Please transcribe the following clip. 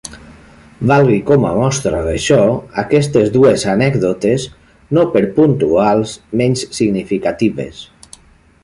Valgui com a mostra d'això aquestes dues anècdotes no per puntuals menys significatives.